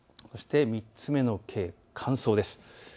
そして３つ目の乾燥です。